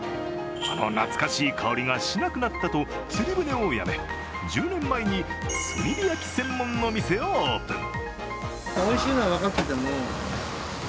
あの懐かしい香りがしなくなったと釣り船を辞め１０年前に、炭火焼き専門の店をオープン。